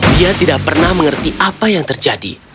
dia tidak pernah mengerti apa yang terjadi